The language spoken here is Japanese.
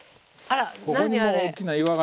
あら何あれ？